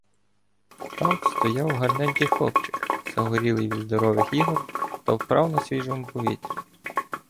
Там стояв гарненький хлопчик, загорілий від здорових ігор та вправ на свіжому повітрі.